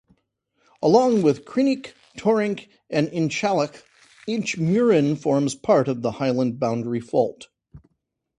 Along with Creinch, Torrinch, and Inchcailloch, Inchmurrin forms part of the Highland boundary fault.